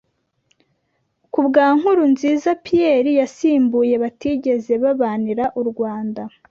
ku bwa Nkurunziza Pierre yasimbuye batigeze babanira u Rwanda